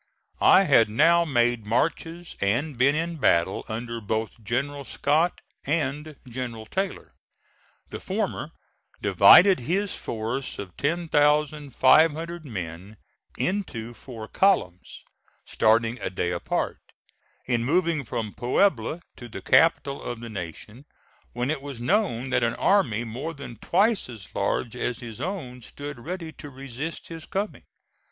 I had now made marches and been in battle under both General Scott and General Taylor. The former divided his force of 10,500 men into four columns, starting a day apart, in moving from Puebla to the capital of the nation, when it was known that an army more than twice as large as his own stood ready to resist his coming.